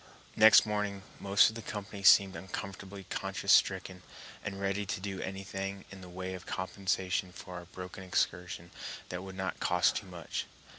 ] Next morning most of the company seemed uncomfortably conscience stricken, and ready to do anything in the way of compensation for our broken excursion that would not cost too much.